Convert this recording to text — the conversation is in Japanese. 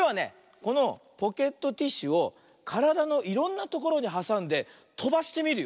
このポケットティッシュをからだのいろんなところにはさんでとばしてみるよ。